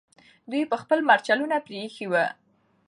دوی به خپل مرچلونه پرېښي وي.